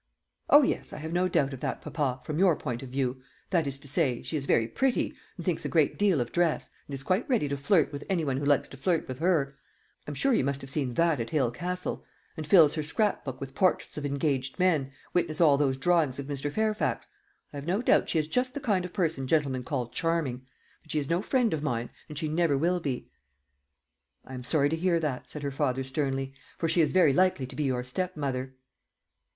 "Oh, yes, I have no doubt of that, papa, from your point of view; that is to say, she is very pretty, and thinks a great deal of dress, and is quite ready to flirt with any one who likes to flirt with her I'm sure you must have seen that at Hale Castle and fills her scrap book with portraits of engaged men; witness all those drawings of Mr. Fairfax. I have no doubt she is just the kind of person gentlemen call charming; but she is no friend of mine, and she never will be." "I am sorry to hear that," said her father sternly; "for she is very likely to be your stepmother."